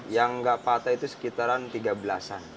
yang nggak patah itu sekitaran tiga belas an